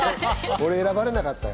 俺、選ばれなかったよ。